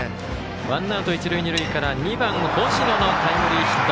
ワンアウト、一、二塁から２番、星野のタイムリーヒット。